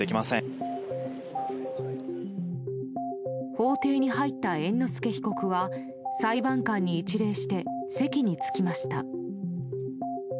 法廷に入った猿之助被告は裁判官に一礼して席に着きました。